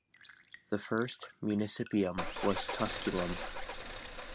The first "municipium" was Tusculum.